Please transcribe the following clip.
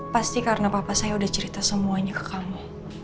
pasti karena papa saya sudah cerita semuanya ke kamu